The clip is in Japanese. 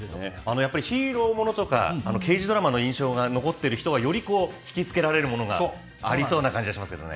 やっぱり、ヒーローものとか、刑事ドラマの印象が残ってる人は、より引きつけられるものがありそうな感じがしますけれどもね。